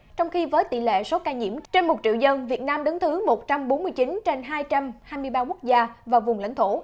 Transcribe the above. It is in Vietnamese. trong khi với tỷ lệ số ca nhiễm trên một triệu dân việt nam đứng thứ một trăm bốn mươi chín trên hai trăm hai mươi ba quốc gia và vùng lãnh thổ